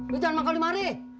lu jangan makan lima hari